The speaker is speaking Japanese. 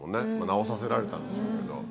直させられたんでしょうけど。